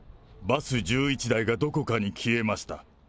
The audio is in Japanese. バス１１台がどこかに消えました。